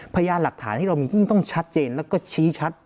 พยานหลักฐานที่เรามียิ่งต้องชัดเจนแล้วก็ชี้ชัด